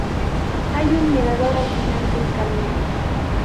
Hay un mirador al final del camino.